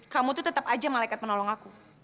kamu tuh tetap aja malaikat menolong aku